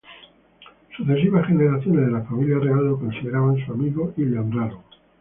Sucesivas generaciones de la familia real lo consideraba su amigo y le honraron.